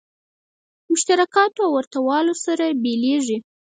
مشترکاتو او ورته والو سره بېلېږي.